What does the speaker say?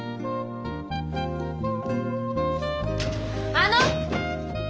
あの！